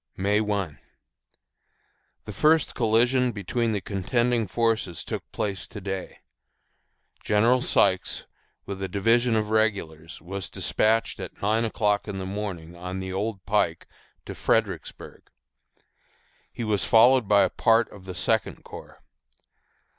May 1. The first collision between the contending forces took place to day. General Sykes, with a division of regulars, was despatched at nine o'clock in the morning on the Old Pike to Fredericksburg. He was followed by a part of the Second Corps.